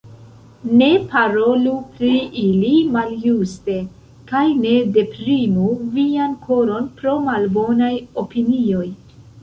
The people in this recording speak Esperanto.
Ne parolu pri ili maljuste kaj ne deprimu vian koron pro malbonaj opinioj.